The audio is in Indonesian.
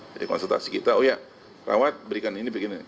jadi konsultasi kita oh ya rawat berikan ini berikan itu